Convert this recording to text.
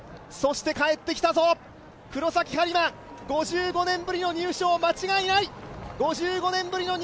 そして帰ってきたぞ、黒崎播磨５５年ぶりの入賞間違いない。